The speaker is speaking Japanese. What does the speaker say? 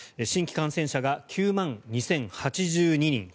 新規感染者が９万２０８２人。